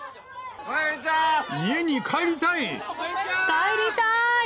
家に帰りたい。